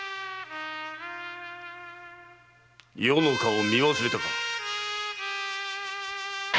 余の顔を見忘れたか？